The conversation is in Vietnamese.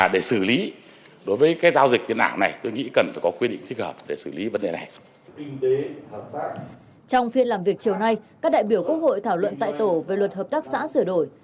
đại biểu quốc hội thảo luận tại tổ về luật hợp tác xã sửa đổi